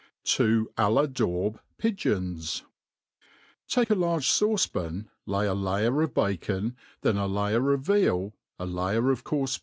To ^ h daub Pigeons^ TAKE 9 large fauce pan, lay a layer of bacon, then a Jaycr of veal, a layer of coarfe b?